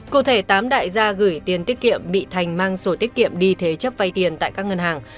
cụ thể tám đại gia gửi tiền tiết kiệm bị thành mang sổ tiết kiệm đi thế chấp vay tiền tại các ngân hàng